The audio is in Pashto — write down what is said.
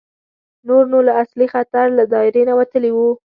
نور نو له اصلي خطر له دایرې نه وتلي وو.